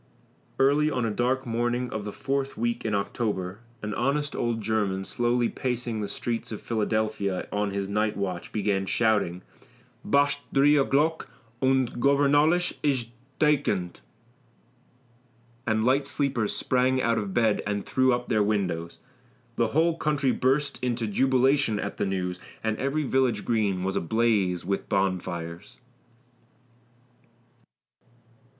"Early on a dark morning of the fourth week in October, an honest old German, slowly pacing the streets of Philadelphia on his night watch, began shouting, 'Basht dree o'glock, und Gornvallis ish dakendt!' and light sleepers sprang out of bed and threw up their windows." The whole country burst into jubilation at the news, and every village green was ablaze with bonfires.